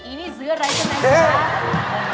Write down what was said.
อีเนี่ยซื้ออะไรขนาดนี้